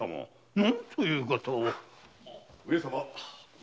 何ということを！